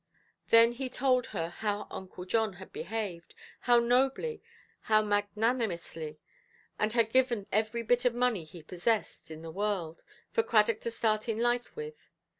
Then he told her how Uncle John had behaved—how nobly, how magnanimously; and had given every bit of money he possessed in the world for Cradock to start in life with.